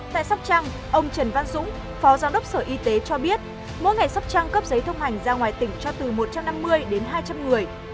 tại sóc trăng ông trần văn dũng phó giám đốc sở y tế cho biết mỗi ngày sóc trăng cấp giấy thông hành ra ngoài tỉnh cho từ một trăm năm mươi đến hai trăm linh người